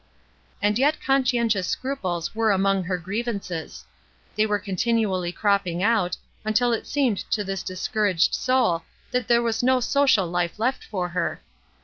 And yet conscientious scruples were among her grievances. They were continually crop ping out, until it seemed to this discouraged soul that there was no social hfe left for her.